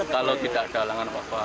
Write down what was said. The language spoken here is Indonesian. kalau tidak ada halangan apa apa